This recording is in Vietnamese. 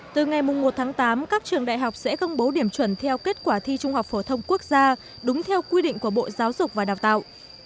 từ ngày một tháng tám các trường đại học sẽ công bố điểm chuẩn theo kết quả thi trung học phổ thông quốc gia đúng theo quy định của bộ giáo dục và đào tạo